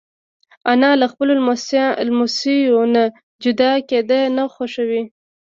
انا له خپلو لمسیو نه جدا کېدل نه خوښوي